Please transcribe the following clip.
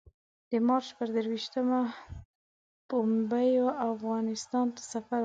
د مارچ پر درویشتمه پومپیو افغانستان ته سفر وکړ.